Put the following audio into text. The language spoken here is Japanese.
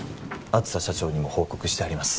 社長にも報告してあります